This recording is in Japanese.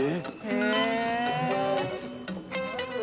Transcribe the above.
へえ！